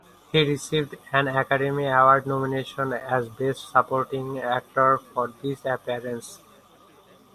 He received an Academy Award-nomination as Best Supporting Actor for this appearance.